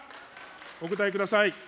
お答えください。